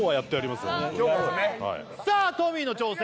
今日さあトミーの挑戦